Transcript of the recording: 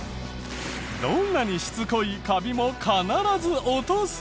どんなにしつこいカビも必ず落とす。